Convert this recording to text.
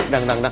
dang dang dang